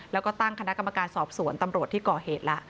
แล้วก็ตั้งคณะกรรมการสอบสวนตำรวจที่ก่อเหตุแล้ว